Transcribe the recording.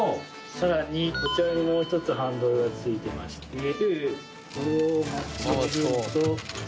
さらにこちらにもう一つハンドルが付いてましてこれを回してみると。